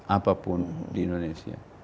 apapun di indonesia